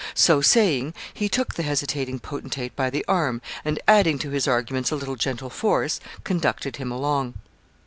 So saying, he took the hesitating potentate by the arm, and adding to his arguments a little gentle force, conducted him along.